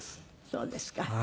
そうですか。